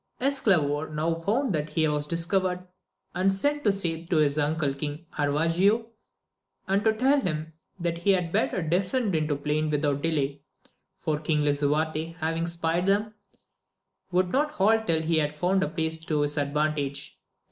Esclavor now found that he was discovered, and sent to say so to his uncle King Aravigo, and to tell him that he had better de scend into the plain without delay, for King Lisuarte, having espied them, would not halt till he had found a place to his advantage.